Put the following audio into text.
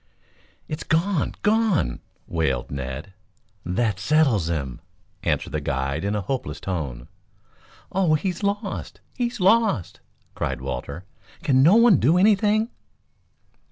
"It's gone gone!" wailed Ned. "That settles him," answered the guide in a hopeless tone. "Oh, he's lost, he's lost!" cried Walter. "Can no one do anything?"